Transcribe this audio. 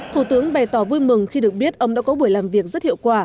thủ tướng bày tỏ vui mừng khi được biết ông đã có buổi làm việc rất hiệu quả